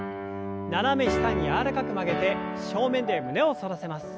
斜め下に柔らかく曲げて正面で胸を反らせます。